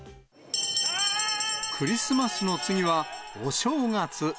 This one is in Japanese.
クリスマスの次は、お正月。